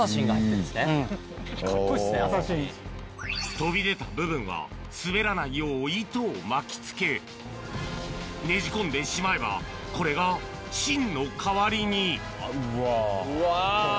飛び出た部分は滑らないよう糸を巻きつけねじ込んでしまえばこれが芯の代わりにうわ。